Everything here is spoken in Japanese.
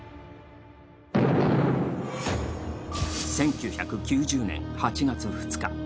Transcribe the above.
１９９０年８月２日。